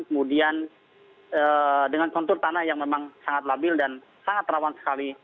kemudian dengan kontur tanah yang memang sangat labil dan sangat rawan sekali